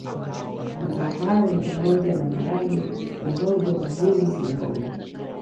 Mazao hayo ni pamoja na maharage mihogo mahindi na mboga